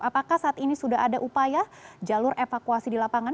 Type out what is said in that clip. apakah saat ini sudah ada upaya jalur evakuasi di lapangan